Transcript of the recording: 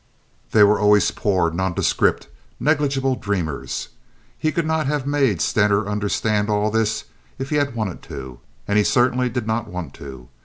They were always poor, nondescript, negligible dreamers. He could not have made Stener understand all this if he had wanted to, and he certainly did not want to.